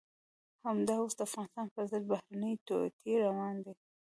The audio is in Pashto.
همدا اوس د افغانستان په ضد بهرنۍ توطئې روانې دي.